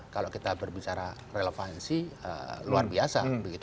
kalau kita berbicara relevansi luar biasa